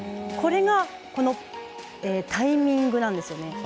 これがタイミングなんですよね。